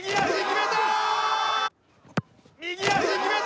右足決めた！